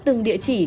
từng địa chỉ